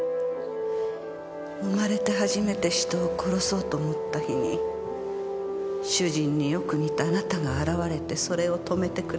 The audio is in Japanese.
生まれて初めて人を殺そうと思った日に主人によく似たあなたが現れてそれを止めてくれた。